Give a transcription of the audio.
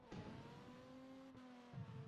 U juda xursand edi.